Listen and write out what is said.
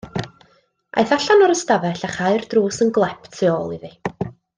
Aeth allan o'r ystafell a chau'r drws yn glep tu ôl iddi.